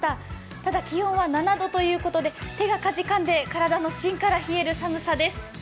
ただ気温は７度ということで、手がかじかんで体の芯から冷える寒さです。